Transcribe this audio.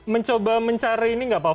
mencoba mencari ini nggak pak